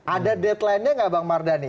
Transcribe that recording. ada deadline nya nggak bang mardhani